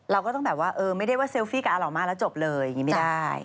เราก็ต้องแบบว่าเออไม่ได้ว่าเซลฟี่กับอาหล่อมากแล้วจบเลยอย่างนี้ไม่ได้